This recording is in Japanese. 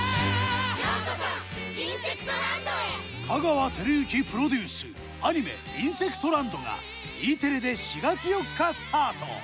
香川照之プロデュースアニメ「インセクトランド」がＥテレで４月４日スタート！